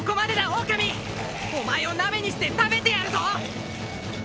オオカミお前を鍋にして食べてやるぞ！